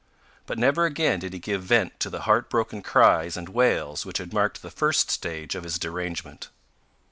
But never again did he give vent to the heart broken cries and wails which had marked the first stage of his derangement.